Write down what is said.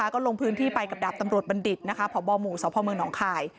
ก็ลงพื้นที่ไปกับดาบตำรวจบัณฑิตพบหมู่สพเมืองหนองคาย